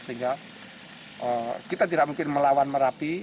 sehingga kita tidak mungkin melawan merapi